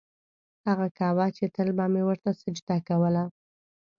هغه کعبه چې تل به مې ورته سجده کوله.